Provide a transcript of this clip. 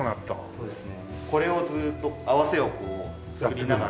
そうですね。